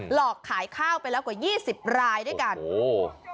หลอกขายข้าวไปแล้วกว่ายี่สิบรายด้วยกันโอ้โห